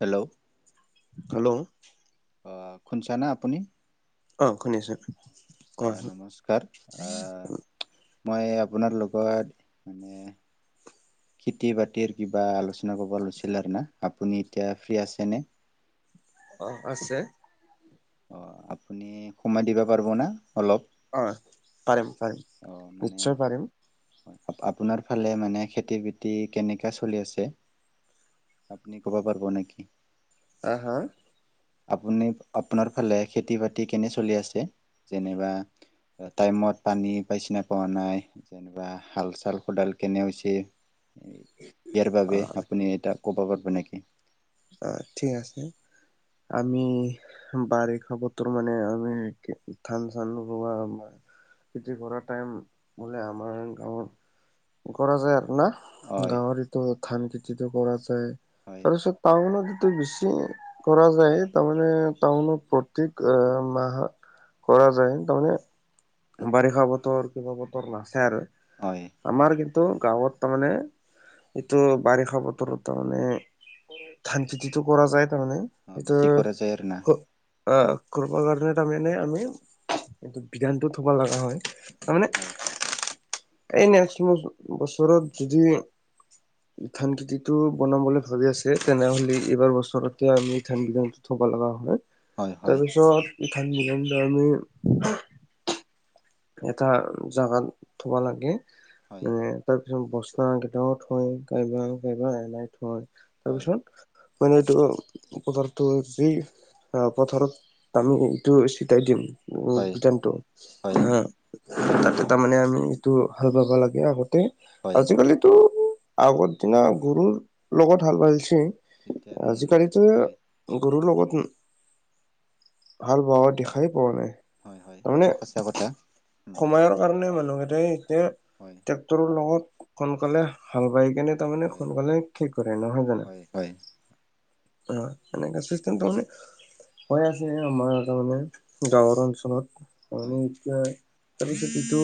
Hello? Hello? অ', খুন চানা আপুনি? অ শুনিছো আহ কোৱাচোন নমস্কাৰ আহ মই আপোনাৰ লগত মানে খেতি বাতিৰ কিবা আলোচনা কৰিব লৈছিল ন আপুনি এতিয়া ফ্ৰী আছে নে? [inaudible] অ', আছে। অ', আপুনি সময় দিবা পাৰিব না অলপ? অ, পাৰিম, পাৰিম অ মানে নিশ্চয় পাৰিম। আপোনাৰ ফালে মানে খেতি, বাতি কেনেকাে চলি আছে। আপনি ক, বাপাৰ ক ন কি আহ, হা। আপুনি আপোনাৰ ফালে খেতি, বাতি কেনে চলি আছে যেনিবা টাইমত পানী পাইচিনা পোৱা নাই যেনিবা হাল, চাল খোদাল কেনেওচি ইয়াৰ অ বাবে আপুনি এটা ক'ব পাৰিব নেকি। অ, ঠিক আছে। আমি বাৰিষা বতৰ মানে আমি ধান, চান ৰোৱা খেতি কৰা টাইম বোলে আমাৰ গাঁৱত কৰা যায় আৰু না। হয় গাঁৱৰিতো ধান খেতিতটো কৰা যায় হয় তাৰপিছত টানতটো বেছি কৰা যায় তাৰমানে টাউনত প্ৰতেক মাহত কৰা যায় তাৰমানে বাৰিষা বতৰ কিবা বতৰ নাচছে আৰু হয় আমাৰ কিন্তু টো, গাঁৱত তাৰমানে এইটো বাৰিষা বতৰত তাৰমানে ধান পেতিতটো কৰা যায়, তাৰমানে অ এইটো বেছি কৰা যায় আৰু না আহ কৰিব কাৰণে তাৰমানে আমি এইটো বিধানতটো থব লগা হয়। তাৰ মানে হয় এই নেক্স বছৰত যদি ধান খেতিতটো বনাবলৈ ভাবি আছে, তেনেহ'লে এইবাৰ বছৰতে আমি ধান কেই থ লগা হয় হয় হয় তাৰপিছত ধান বিল আমি এটা জাগাত থবা লাগে হয় মানে তাৰ তাৰপিছত বসন কেইটাও থয়া কা এনাই থয় তাৰপিছত মনেটো পতৰ্তি অ, পথাৰত আমি এইটো চটাই দিম। হয় উট, হয় হয় তাতে তাৰমানে আমি এইটো হাল বাবা লাগে আগত। হয় আজিকালিতো আগৰ দিনা গৰুৰ লগত হাল বালছে। এতিয়া উম উম আজিকালিতো হয় গৰুৰ লগত হাল বোৱা দেখাই পোৱা নাই। হয়, হয়, তাৰমানে এইটো সঁচা। কথা উম সময়ৰ কাৰণে মানুহকেইট এতিয়া হয় ট্ৰেক্টৰৰ লগত সোনকালে হাল বাই কেনে তাৰমানে হয় সোনকালে কিক কৰে নহয় জানা হয় হয় অ, মনে ম হৈ আছে আমাৰ তাৰ মানে গাঁৱৰ অঞ্চলত হয় মানে তাৰ পিছত এইটো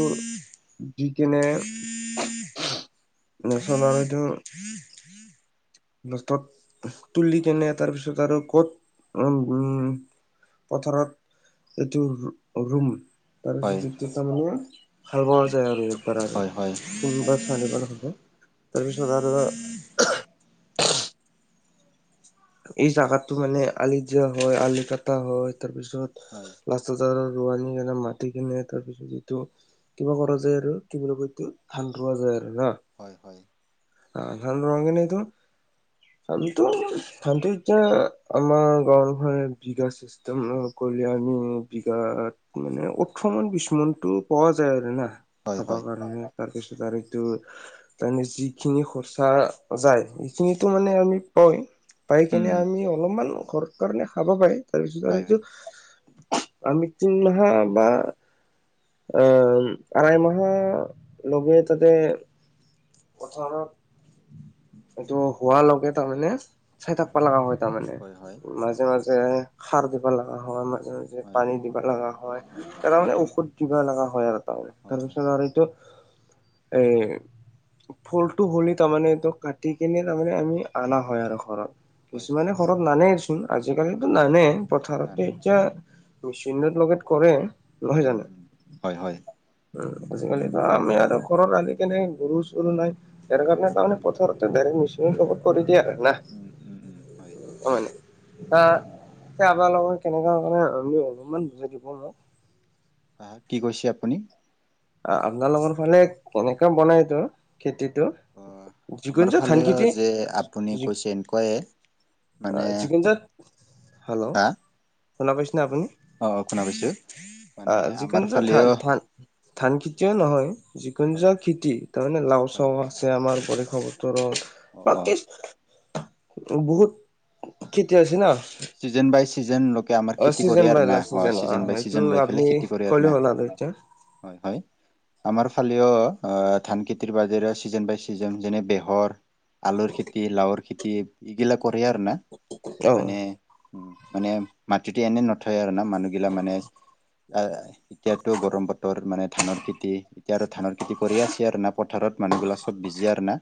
দি কেনে নি চ আৰুটো লষ্টত তুলি কেনে তাৰ পিছত আৰু ক'ত উ, উম। পথাৰত এইটো ৰুম হয় তাৰপিছত এতিয়া তাৰমানে ভাল বোৱা আৰু এবাৰ আৰু হয় এ, হয় তিনিবাৰ চাৰিবাৰ হ'লে তাৰ পিছত আৰ এই হয় হয় জাগাতটো মানে আলি জিয়া হয়, আলিকাটা হয়, তাৰপিছত হয় লাষ্টাজাৰৰ ৰোৱানি কেনে মাটি কিনে তাৰ পিছত যিটো কিবা কৰা যায় আৰু কি বুলি কয় এইটো সান্দ ৰোৱা যায় আৰু। হয়, হয়। অ, ধান ৰঙি ন এইটো। [unintelligible] ধটো এতিয়া আমাৰ গাঁৱে বিঘা চিষ্টেম নহব। আমি বিঘাত মানে ওঠৰ মন বি মনতটো পোৱা যায় আৰু না। হয় খাব হয় কাৰণে তাৰপিছত আৰু এইটো তাৰমানে যি এইখিনি সচা যায়, এইখিনো মানে হয় আমি পই, পাই কেনে উম আমি অলপমান ঘৰ কাৰণে খাব পাৰে, তাৰপিছত আৰু হয় এইটো হয় আমি কিতিমম হা বা আই মাহা লগে তাতে পথাৰত এইটো হোৱা লগ এটা হ'লে চাই থাকবা লগা হয়। তাৰ মানে হয় হয় মাজে, মাজে সাৰ দিব লগা হয় আম হয় পানী দিব লগা হয় তাৰমানমানে ঔষধ দিব লগা হয় আৰু হয় হয় তাৰপিছত এইটো এই ফুলটো হ'লে তাৰমানে এইটো কাটি কেনে তাৰমানে আমি আনা হয় আৰু ঘৰত কিছুমানে খৰত নানেইচোন আজিকালি নানে পথাৰত এতিয়া মেচিনটোত লগত কৰে উম, উম হয়, হয়। উ আজিকালি আমি আৰু ঘৰত আনি কিনে গৰু চৰু নাই সেইাৰ কাৰণে উম তাৰেথাৰতে ডাইৰেক্ট মেচিন লগবত কৰি দিয়ে আৰু না উম, উম, উম হয়। উম আবালোকৰ লগত কেনেকা কৰে অলপমান বুজাই দিব না। অ', কি কৈছে আপুনি? অ', আপোনালোকৰ ফালে কেনেককাে বনাইতো খেতিত অ যিকোন আমাৰ যে থান ফালেও খেতি যে আপুনি কৈছে এনেকুৱায়ে মানে চিকেচাত হেল্ল' হা শুনা পাইছেনে আপুনি। অ', শুনা কৈছো মানে আহ আমাৰ যিকোনো যে ধান ফালেও ধান ধান খেতিয়ে নহয় যিকোনো হয় য খেতি তাৰমানে লাও চাও হয় আছে আমাৰ বেশ ওচৰত অ অ বাকী বহুত খেতি আছে না চিজন বাই চিজন ল আমাৰ অ খেতি কৰে চিজন আৰু বাই না হয় অ চিজন বাই সেইটো চিজন লৈ আপুনি পেলাই খেতি কৰে আৰু ক'লে না হ'ল এতিয়া হয়, হয়। আমাৰ ফালেও ধান খেতিৰ বাজেৰে ছিজন বাই চিজন যেনে বেহৰ আলুৰ খেতি লাওঁৰ খেতি এইগিলা কৰে আৰু না অ মানে উ মানে মাটিতে এনে নথয় আৰু না মানুহগিলাক মানে এতিয়াতো গৰম বতৰ মানে ধানৰ খেতি এতিয়া আৰু ধানৰ খেতি কৰি আছে আৰু না পথাৰত মানে মানুহগিলা চব বিজি আৰু না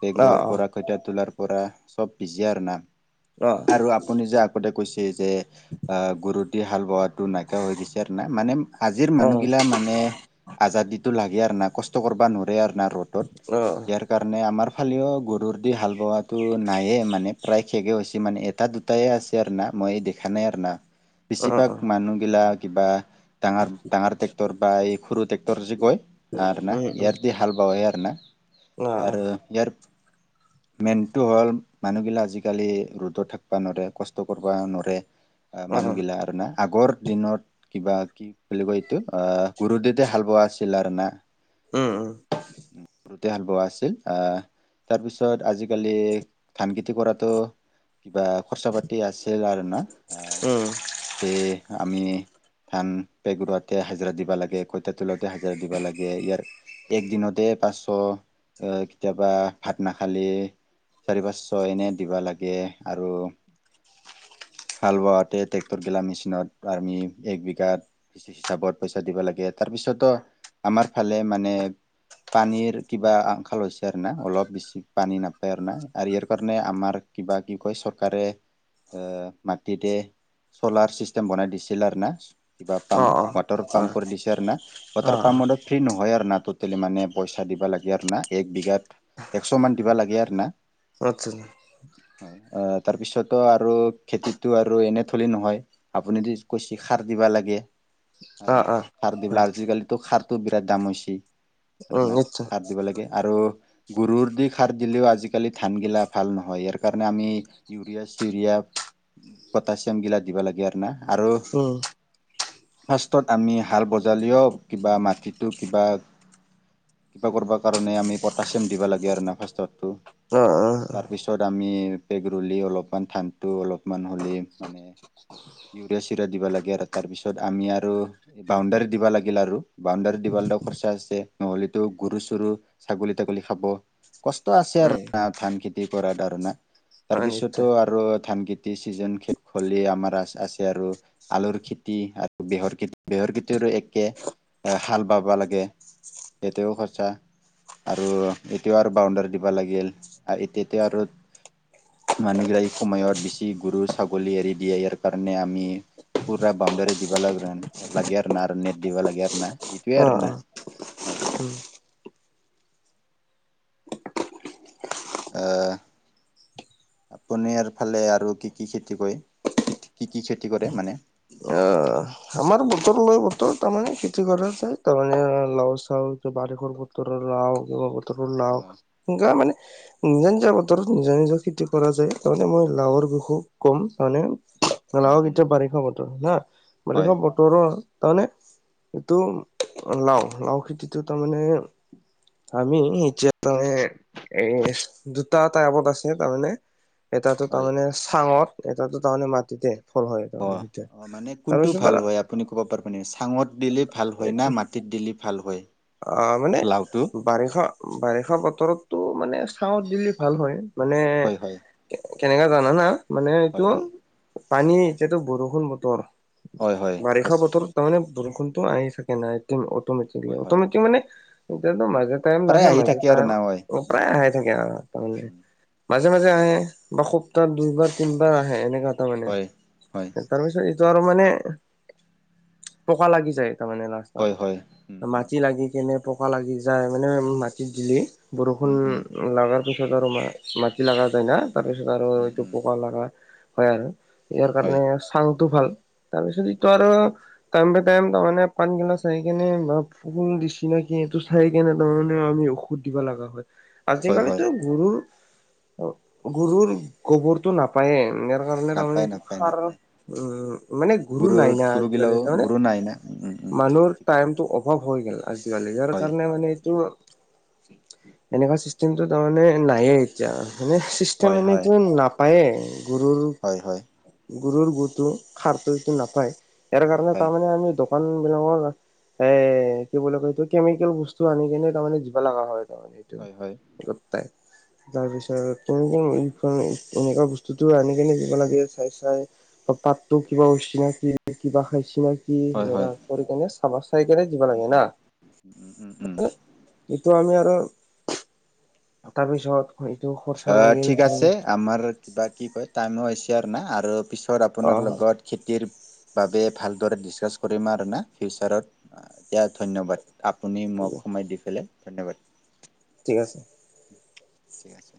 বেগ অ ৰোৱাৰ পৰা কৈঠা তোলাৰ পৰা চব পিজি আৰু না অ অ আৰু আপুনি যাক কৈছে যে গুৰুটি হাল বাৱাত টো নাইকিয়া হৈ গৈছে আৰু না মানে আজিৰ মানুহিলা মানে আ টো লাগে আৰু ন কষ্ট কৰিব নোৱ আৰু না ৰ'দত অ ইয়াৰ কাৰণে আমাৰ ইফালেও গৰুৰ দি হাল বোৱাটো নাইয়ে মানে প্ৰায় শেষে হৈছে মানে এটা দুটায়ে আছে আৰু না মই দেখা নাই আৰু না বেছিভাগ মানুহগিলা কিবা ডাঙৰ ডাঙৰ ট্ৰেক্টৰ বা এই সৰু ট্ৰেক্টৰ যে কয় আৰু না ইয়াৰ দি হাল বাৱ খানা অ আৰু ইয়াৰ মেইনটো হ'ল মানুহবিলাক আজিকালি ৰ'দত থাকিবা নৰে কষ্ট কৰিব নৰে অ অ মানুহগিলা আৰু না আগৰ দিনত কিবা কি বুলি কয় এইটো অ', গুৰু দেতে হাল বোৱা আছিল আৰু না উম। গৰুতে হাল বোৱা আছিল আহ তাৰপিছত আজিকালি ধান খেতি কৰাতটো কিবা খৰচা পাতি আছিল আৰু না উম যে আমি ধান পেগ ৰুৱেতে হাজাৰ দিব লাগে কৈঠা তোলেতে হাজাৰ দিবা লাগে ইয়াৰ এক দিনতে পাঁচশ আহ কেতিয়াবা ভাত নাখালে চাৰি পাঁচশ এনে দিবা লাগে আৰু হাল বোৱাতে ট্ৰেক্টৰ গিলা মেচিনত আমি এক বিঘাত হিচাপত পইচা দিব লাগে তাৰপিছতো আমাৰ ফালে মানে পানীৰ কিবা আশল লৈছে আৰু না অলপ বেছি পানী নাপায় আৰু না আৰু ইয়াৰ কাৰণে আমাৰ কিবা কি কয় চৰকাৰে এ মাটিতে চ'লাৰ চিষ্টেম বনাই দিছিল আৰু না। কিবা অ অ অ পাম্প ৱাটাৰ উম উম উম অ অ অ পাম্প কৰি দিছে আৰু না অ ৱাটাৰ পাম্প ম ফ্ৰ্ৰী নহয় আৰু না। টেলি মানে পইচা দিবা লাগে আৰু না এক বিঘাত একশ মান দিবা লাগে আৰু না। কতছ ন অ, তাৰপিছত আৰু খেতিটো আৰু এনে থলি নহয় আপুনিদি কৈছে সাৰ দিবা লাগে। আৰু অ না অ খাৰ দিবেল হয় আজিকালিতো খাৰটো বিৰাট দাম হৈছে। আৰু উম না নিশ্চয় সাত দিব লাগে আৰু। গৰুৰ দি সাৰ দিলেও আজিকালি ধান গিলা ভাল নহয়। ইয়াৰ কাৰণে আমি ইউৰিয়া ৰিয়া পটাছিয়াম গিলা দিব লাগে আৰু না আৰু উম ফাৰ্ষ্টত আমি হাল বজালেও কিবা মাটিটো কিবা কিবা কৰিবা কাৰণে আমি পটাচিয়াম দিবা লাগে আৰু ন ফটো। উম, উম। তাৰপিছত আমি পেগৰুলী অলপমান ধঠানটো অলপমান হ'লে মানে ইউৰিয়া চিৰিয়া দিবা লাগে আৰু তাৰ পিছত আমি আৰু বাউণ্ডাৰী দিব লাগিল আৰু বাউণ্ডাৰী দিব খৰচা আছে নহ'লেতো গৰু, চৰু, ছাগলী, তাগলী খাব কষ্ট আছে আৰু উম ন ধান খেতি কৰাাৰ ধাৰণা অ তাৰপিছত টো নিশ্চয় আৰু ধান খেতি চিজন খলে আমাৰ আছে আৰু আলুৰ খেতি আৰু হৰ বিহৰ কতিৰো একে হাল বাবা লাগে। এতিও খৰচা আৰু এতিয়া আৰু বাউণ্ডাৰী দিব লাগিল এতিয়া আৰু। মানুহগিলাক এই সময়ত বেছি গৰু-ছাগলী এৰি দিয়ে ইয়াৰ কাৰণে আমি পুৰা বাউণ্ডাৰী দিবা লাগে, লাগে আৰু না আৰু নেট দিবা লাগে আৰু না এইটোৱে আৰু না হয় উম। [inaudible] আহ। পনাৰ ফালে আৰু কি, কি খেতি কৰে কি, কি খেতি কৰে মানে। অ, আমাৰ বতৰ লয় বতৰ তাৰমানানে কিতি কৰা যায় তাৰমানে লাও, চাও বাৰিখৰ বতৰ লাও অ'। বত লাও অ সেনেুৱা মানে নিজা, নিজা বতৰত নিজা, নিজৰ খেতি কৰা যায়। তাৰণে মই লাওৰ বিষু ক'ম জনে উম লাহক উম এতিয়া বাৰিষা বতৰ না হয় বাৰিষা বত তাৰমানে এইটো লাও, লাও খেতিটো তাৰমানে আমিতিয় ত এ দুটা, এটা আগত আছে তাৰমানে এটাতো হয় তাৰমানে চাঙত এটাতো তাৰমানে মাটিতে। ফল হয় অ তাৰমানে সেইয়া অ মানে কোনটো তাৰপিছত ভাল তা হয় আপুনি ক'ব পাৰিবনে চাঙত দিলেই ভাল হয় না মাটিত দিলেই ভাল হয়। অ, মানে লাওটো বাৰিষা, বাৰিষা বতৰত তটো মানে চাওঁত দিলি ভাল হয় মানে হয় হয় কেনেকা জানা না? মানে হয় এইটো হয় পানী এতিয়াতো বৰষুণ বতৰ হয় হয় বাৰিষা বতৰত তাৰমানানে বৰষুণতো আহি থাকে নাই হয় অমেটিক। হয় মানে এতিয়য়াাতো মাজে টাইম প্ৰায় নাহে আহি মাজে থাকে আৰু টাইম না হয় উম প্ৰায় আহাই থাকে আৰু তাৰমানে উম মাজে মাজে আহে বা সপ্তাহ দুইবাৰ তিনিবাৰ আহে এনেককা এটা মানে হয় হয় তাৰপিছত আৰু মানে পকা লাগি যায় তাৰ মে লাষ্টত হয় হয় উম ম উম কেনে পকা লাগি যায় মানে মাটিত দিলি বৰষুণ উম উম লগাৰ তাৰপিছত আৰু মা, মাটি লগা যায় না তাৰপিছত আৰু উম এইটো উম পোক লগা হয় আৰু। ইয়াৰ হয় কাৰণে চাং ভাল তাৰপিছত য আৰু টাইম টো টাইম তাৰ মমানে পান গিলা আহ কেনে সো দিছি নে কি এইটো চাই কেনে তাৰমানেও আমি ঔষধ দিবা লগা হয়। হয় হয় আজিকালিতো গুৰু, গুৰু গোবৰটো নাপায় এ ত, কাৰণে তাৰমানে নাপায় এইটো নাপায় সাৰ নাপায় উম, মানে গুৰু নাই না আজিকালি গুৰুগিলাও তাৰমানে গুৰু নাই না উম উম উম ঠিক মানুহৰ ঠিক টাইমটো অভাৱ হৈ গ'ল আজিকালি ইয়াৰ হয় কাৰণে মানে এইটো এনেকুৱা চিষ্টেমটো তাৰমানে নাইয়ে এতিয়া। মানে হয় চিষ্টেম হয় এনেইতো নাপায়ে হয় হয় গৰুৰ গৰুৰ গুটো খাৰটোটো নাপায় সাৰ কাৰণে নাপায় তাৰমানে আমি দোকান বিলাকৰ এ কি বুলি কয় এইটো কেমিকেল বস্তু আনি কেনে তাৰমানে দিব লগা হয় তাৰে হয় হয় এইটো। ত তাৰ পিছত তেনেকে এনেকুৱা বস্তুতটো আনি কেনে দিব লাগে চাই চাই। পাতো কিবা উছি নাকি কিবা খাইছ নি কি হয় হয় সেনেৱা কৰি কেনে চাবা চাই কেনে দিব উম লাগে না। উম উম উম উম তো আমি আৰু তাৰপিছত এইটো অ, খৰচা লাগিল ঠিক আছে আমাৰ কিবা কি কয় টাইমো তিৰ না আৰু পিছত অ আপোনাৰ লগত খেতিৰ বাবে ভালদৰে দিস্কাশ কৰিম আৰু মই ফিউচাৰ অত দিয়া ধন্যবাদ। আপুনি মোক সোমাই দি পেলাই ধন্যবাদ। ঠিক আছে। ঠিক আছে।